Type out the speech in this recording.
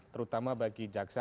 terutama bagi jaksim